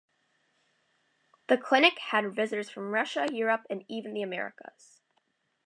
The clinic had visitors from Russia, Europe and even the Americas.